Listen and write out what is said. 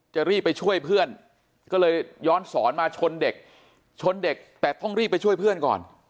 จะรีบไปช่วยเพื่อนก็เลยย้อนสอนมาชนเด็กชนเด็กแต่ต้องรีบไปช่วยเพื่อนก่อน